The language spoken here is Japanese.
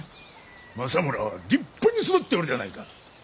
政村は立派に育っておるではないか。